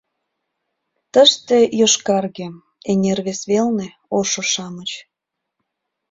Тыште — йошкарге, эҥер вес велне — ошо-шамыч.